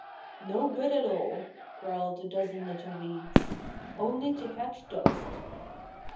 "No good at all," growled a dozen little weeds, "only to catch dust."